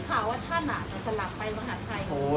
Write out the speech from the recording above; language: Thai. กระทุ่งพลังงานค่ะ